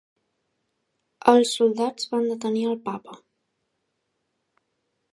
Els soldats van detenir el Papa.